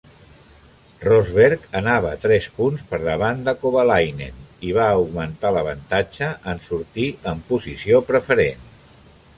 Rosberg anava tres punts per davant de Kovalainen i va augmentar l'avantatge en sortir en posició preferent.